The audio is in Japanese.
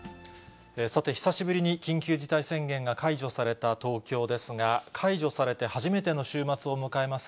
さて、久しぶりに緊急事態宣言が解除された東京ですが、解除されて初めての週末を迎えます。